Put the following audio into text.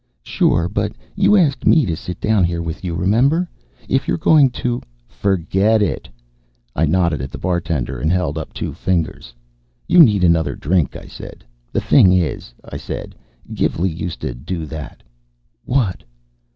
"Sure. But you asked me to sit down here with you, remember? If you're going to " "Forget it!" I nodded at the bartender and held up two fingers. "You need another drink," I said. "The thing is," I said, "Gilvey used to do that." "What?"